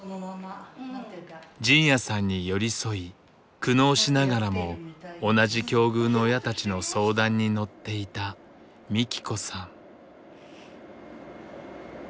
仁也さんに寄り添い苦悩しながらも同じ境遇の親たちの相談に乗っていたみき子さん。